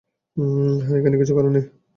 হ্যা, এখানে কিছু করার নাই।